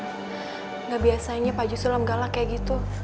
nggak biasanya pak haji sulam galak kayak gitu